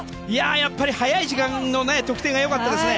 やっぱり早い時間の得点が良かったですね。